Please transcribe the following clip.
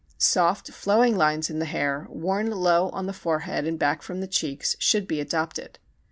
Soft flowing lines in the hair, worn low on the forehead and back from the cheeks, should be adopted.